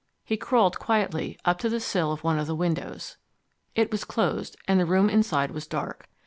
He crawled quietly up to the sill of one of the windows. It was closed, and the room inside was dark.